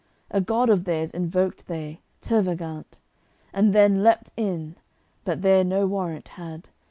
A god of theirs invoked they, Tervagant. And then leaped in, but there no warrant had.